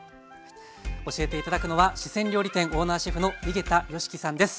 教えて頂くのは四川料理店オーナーシェフの井桁良樹さんです。